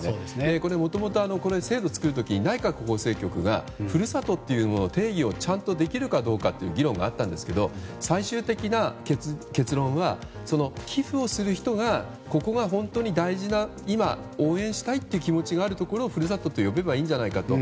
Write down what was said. これ、もともと制度を作る時に内閣法制局が故郷というものの定義をちゃんとできるかという議論があったんですが最終的な結論は寄付をする人がここは本当に大事な今、応援したいという気持ちがあるところをふるさとと呼べばいいんじゃないかと。